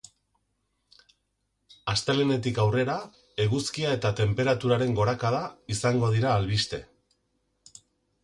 Astelehenetik aurrera, eguzkia eta tenperaturaren gorakada izango dira albiste.